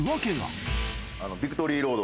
ビクトリーロード